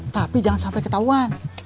tapi jangan sampai ketahuan